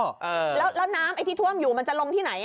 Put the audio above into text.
ครับแล้วน้ำที่ท่วมอยู่จะลงที่ไหน